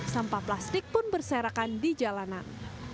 sampah plastik pun berserakan di jalanan